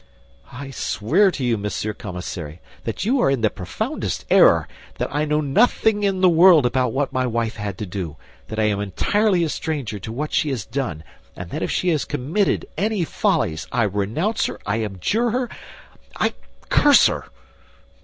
"I swear to you, Monsieur Commissary, that you are in the profoundest error, that I know nothing in the world about what my wife had to do, that I am entirely a stranger to what she has done; and that if she has committed any follies, I renounce her, I abjure her, I curse her!"